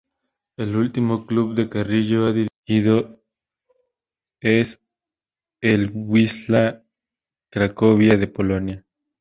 El último club que Carrillo ha dirigido es el Wisła Cracovia de Polonia.